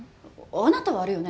あなたはあれよね。